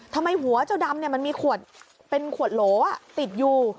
ทำไมหัวเจ้าดำมันมีขวดเป็นขวดโหลติดอยู่